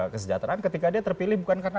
kesejahteraan ketika dia terpilih bukan karena